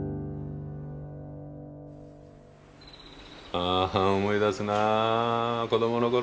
あ思い出すなあ子どもの頃。